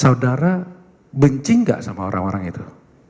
saudara benci nggak sama orang orang itu